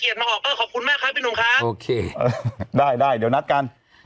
มาออกเออขอบคุณมากครับพี่หนุ่มคะโอเคได้ได้เดี๋ยวนัดกัน